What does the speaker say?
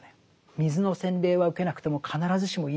水の洗礼は受けなくても必ずしもいいんだと。